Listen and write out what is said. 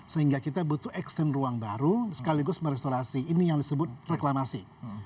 sehingga kita butuh ekstrim ruang baru sekaligus merestorasi ini yang disebut reklamasi